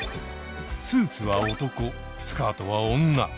スーツは男スカートは女。